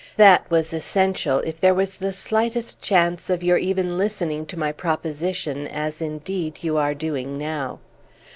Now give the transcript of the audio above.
That was essential, if there was the slightest chance of your even listening to my proposition, as indeed you are doing now.